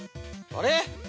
あれ！？